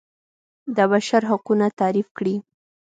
د بشر حقونه تعریف کړي.